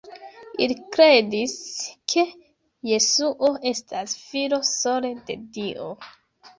Ili kredis, ke Jesuo estas Filo sole de Dio.